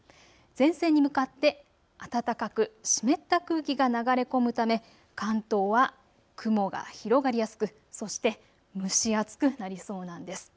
前線に向かって暖かく湿った空気が流れ込むため関東は雲が広がりやすくそして蒸し暑くなりそうなんです。